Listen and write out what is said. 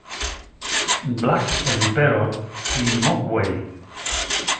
Black Emperor i Mogwai.